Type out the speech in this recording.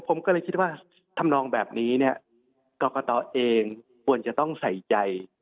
ผมก็เลยคิดว่าทำนองแบบนี้เนี่ยกรกตเองควรจะต้องใส่ใจ